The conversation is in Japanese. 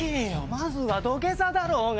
まずは土下座だろうが。